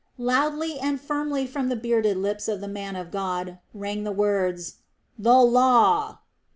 Loudly and firmly from the bearded lips of the man of God rang the words; "THE LAW!"